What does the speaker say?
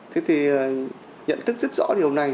thế thì nhận thức rất rõ điều này